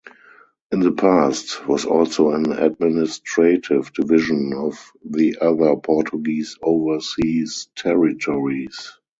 In the past, was also an administrative division of the other Portuguese overseas territories.